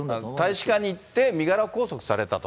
大使館に行って、身柄拘束されたと。